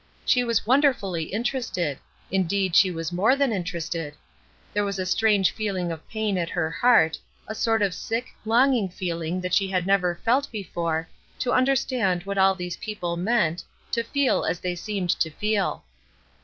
She was wonderfully interested indeed she was more than interested. There was a strange feeling of pain at her heart, a sort of sick, longing feeling that she had never felt before, to understand what all these people meant, to feel as they seemed to feel.